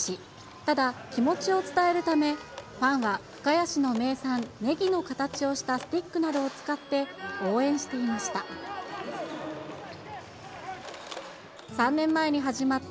ただ、気持ちを伝えるため、ファンは深谷市の名産、ネギの形をしたスティックなどを使って応援していました。